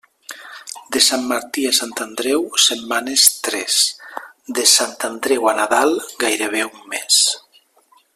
De Sant Martí a Sant Andreu, setmanes tres; de Sant Andreu a Nadal, gairebé un mes.